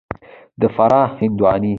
د فراه هندوانې